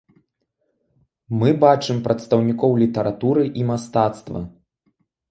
Мы бачым прадстаўнікоў літаратуры і мастацтва.